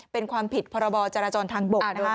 เป็นความผิดพบจรจรทางบก